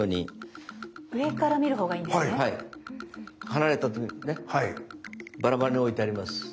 離れたとこにねバラバラに置いてあります。